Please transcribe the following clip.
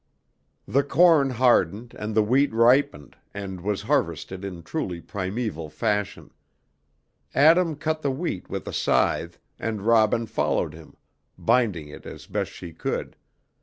The corn hardened, and the wheat ripened, and was harvested in truly primeval fashion. Adam cut the wheat with a scythe, and Robin followed him, binding it as best she could.